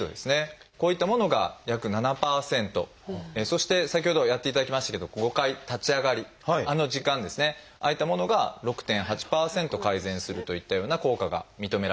そして先ほどやっていただきましたけど５回立ち上がりあの時間ですねああいったものが６．８％改善するといったような効果が認められました。